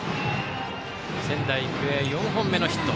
仙台育英、４本目のヒット。